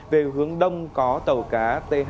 về hướng đông có tàu cá th chín trăm linh ba